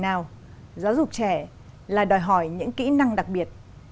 nào giáo dục trẻ là đòi hỏi những kỹ năng đặc biệt